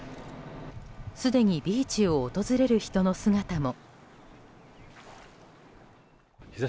すでにビーチを訪れる人の姿も。